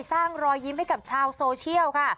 รอยยิ้มให้กับชาวโซเชียลค่ะ